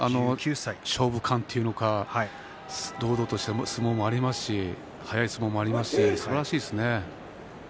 勝負勘というか堂々とした相撲もありますし速い相撲もありますしすばらしいですね。